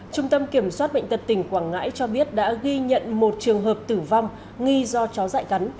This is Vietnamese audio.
trung tâm kiểm soát bệnh tật tỉnh quảng ngãi cho biết đã ghi nhận một trường hợp tử vong nghi do chó dại cắn